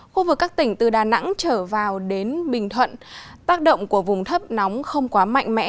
khu vực các tỉnh từ đà nẵng trở vào đến bình thuận tác động của vùng thấp nóng không quá mạnh mẽ